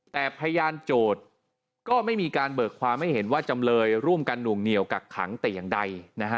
แต่พยานโจทย์ก็ไม่มีการเบิกความให้เห็นว่าจำเลยร่วมกันหน่วงเหนียวกักขังแต่อย่างใด